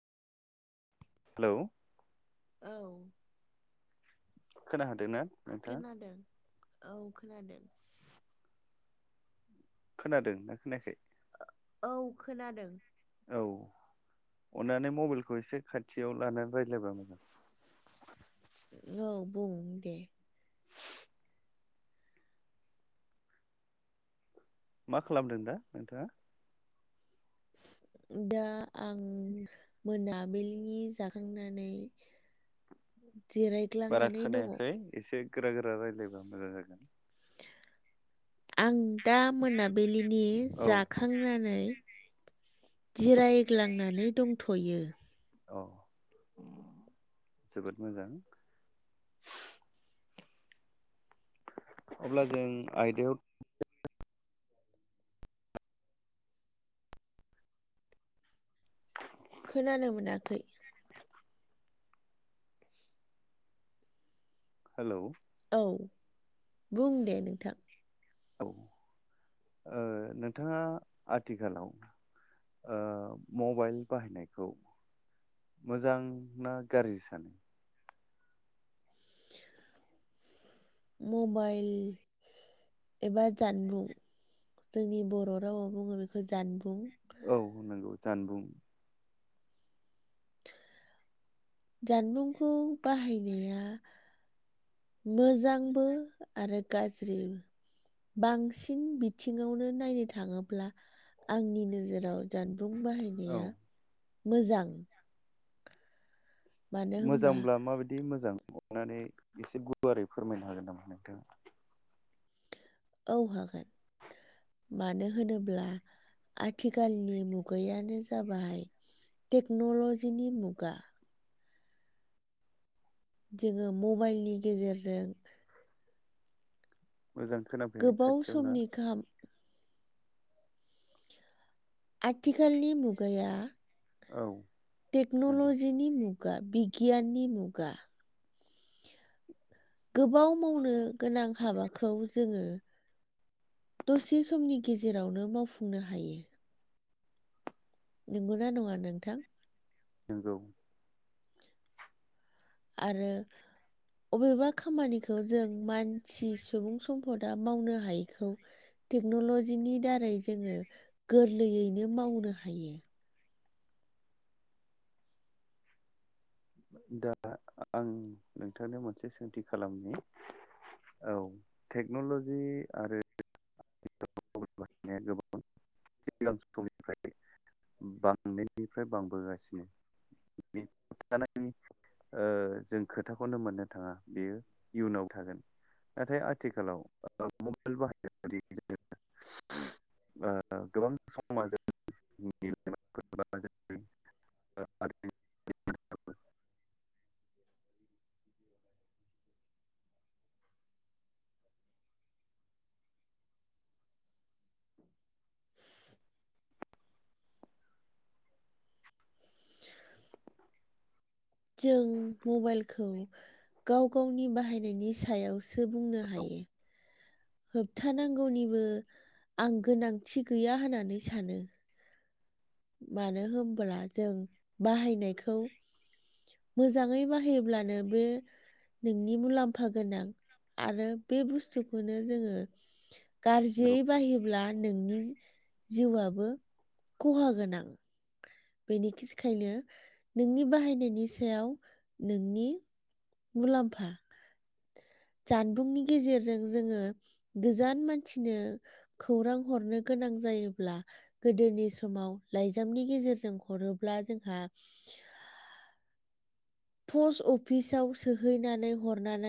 Hello औ खोना हादोंना? खोनादों औ खोनादों। खोनादों ना खोनायाखै? औ खोनादों। औ अननानै मबाइलखौ एसे खाथियाव लानानै रायज्लायबा मोजां। औ बुं दे। मा खालामदों दा नोंथाङा? दा आं मोनाबिलिनि जाखांनानै बारा जिरायग्लांनानै दंङ खोनायाखै एसे गोरा गोरा रायज्लायबा मोजां जागोन। आं दा मोनाबिलिनि औ जाखांनानै जिरायग्लांनानै दंथयो। औ उम जोबोद मोजां अब्ला जों आयदायाव खोनानो मोनाखै हेलौ औ बुं दे नोंथां। औ ओ नोंथांङा आथिखालाव ओ मबाइल बाहायनायखौ मोजां ना गाज्रि सानो? मबाइल एबा जानबुं जोंनि बर' रावाव बुंङो बेखौ जानबुं। औ नंगौ जानबुं। जानबुंखौ बाहायनाया मोजांबो आरो गाज्रिबो बांसिन बिथिंङावनो नायनो थांङोब्ला आंनि नोजोराव जान बुं औ बाहायनाया मोजां मानो होनबा मोजांब्ला माबायदि मोजां अननानै एसे गुवारै फोरमायनो हागोन नामा नोंथाङा? औ हागोन मानो होनोब्ला आथिखालनि मुगायानो जाबाय टेक्नलजि नि मुगा जोंङो मबाइलनि गेजेरजों मोजां खोनाफैयाखै गोबाव खाथियावला समनि खाम आथिखालनि मुगाया औ नंगौ टेक्नलजि नि मुं गा बिगियाननि मुगा गोबाव मावनो गोनां हाबाखौ जोंङो दसे समनि गेजेरावनो मावफुंनो हायो। नंगौ ना नंङा नोंथां? नोंगौ। आरो अबेबा खामानिखौ जों मानसि सुबुं सम्पदा मावनो हायैखौ टेक्नलजिनि दारै जोंङो गोरलैयैनो मावनो हायो। दा आं नोंथांनो मोनसे सोंथि खालामनि औ टेक्नलजि आरो गोबां सिगां समनिफ्राय बांनायनिफ्राय बांबोगासिनो। [unintelligible] जों खोथाखौनो मोननो थांङा बियो इउनाव थागोन नाथाय आथिखालाव [unintelligible] जों मबाइलखौ गाव गावनि बाहायनायनि सायावसो बुंनो हायो। होबथानांगौनिबो आं गोनांथि गैया होननानै सानो मानो होनोबब्ला जों बाहायनायखौ मोजांङै बाहायोब्लानो बे नोंनि मुलाम्फा गोनां आरो बे बुस्थुखौ नो जोंङो गारजियै बाहायोब्ला नोंनि जिउआबो खहा गोनां बेनिखायनो नोंनि बाहायनायनि सायाव नोंनि मुलाम्फा जानबुंनि गेजेरजों जोंङो गोजान मानसिनो खौरां हरनो गोनां जायोब्ला गोदोनि समाव लाइजामनि गेजेरजों हरोब्ला जोंहा पस्ट अफिसाव सोहैनानै हरनानै